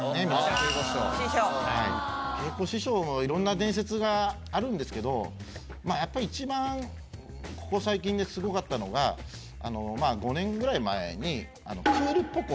桂子師匠のいろんな伝説があるんですけどやっぱり一番ここ最近でスゴかったのがまぁ５年ぐらい前にクールポコ。